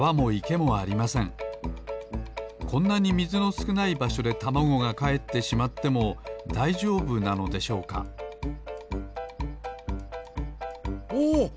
こんなにみずのすくないばしょでたまごがかえってしまってもだいじょうぶなのでしょうかおおのぼった！